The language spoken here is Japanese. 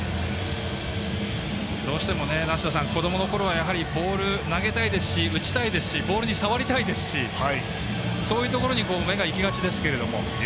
どうしてもこどものころはボール投げたいですし打ちたいですしボールに触りたいですしそういうところに目がいきがちですけど。